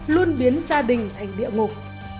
luôn biến gia đình thành địa ngục